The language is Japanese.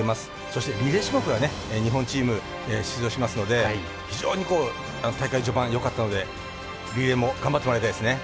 そしてリレー種目は日本チーム出場しますので非常に大会序盤よかったのでリレーも頑張ってもらいたいですね。